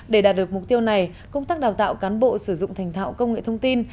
để đạt được mục tiêu này công tác đào tạo cán bộ sử dụng thành thạo công nghệ thông tin